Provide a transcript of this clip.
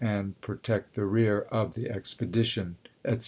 and protect the rear of the expedition, etc.